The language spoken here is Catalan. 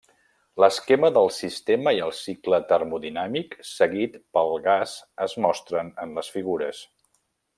L'esquema del sistema i el cicle termodinàmic seguit pel gas es mostren en les figures.